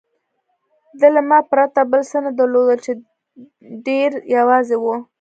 ده له ما پرته بل څه نه درلودل، چې ډېر یوازې و.